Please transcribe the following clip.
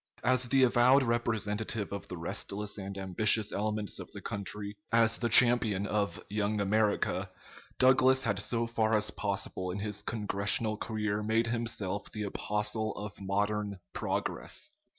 As the avowed representative of the restless and ambitious elements of the country, as the champion of "Young America," Douglas had so far as possible in his Congressional career made himself the apostle of modern "progress."